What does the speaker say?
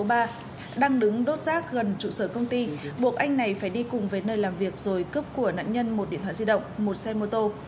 đang đứng đốt rác gần trụ sở công ty buộc anh này phải đi cùng với nơi làm việc rồi cướp của nạn nhân một điện thoại di động một xe mô tô